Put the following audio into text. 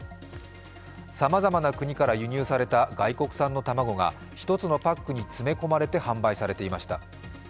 さまざまな国から輸入された外国産の卵が１つのパックに詰め込まれて販売されていました。